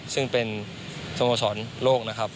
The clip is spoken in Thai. ซึ่งเป็นสโมสรโลกนะครับ